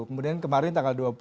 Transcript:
kemudian kemarin tanggal dua puluh